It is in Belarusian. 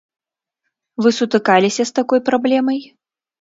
Вы сутыкаліся з такой праблемай?